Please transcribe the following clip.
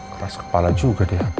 keras kepala juga dia